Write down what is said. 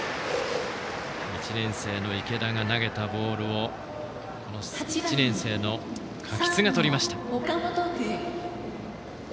１年生の池田が投げたボールを１年生の垣津がとりました。